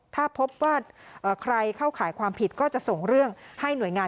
ถ้าพบว่าใครเข้าข่ายความผิดก็จะส่งเรื่องให้หน่วยงาน